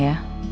ya itu itu